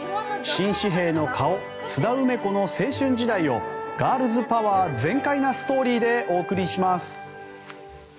新紙幣の顔津田梅子の青春時代をガールズパワー全開なストーリーでお送りします。